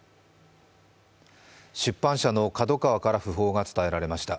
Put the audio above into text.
出版社のＫＡＤＯＫＡＷＡから訃報が伝えられました。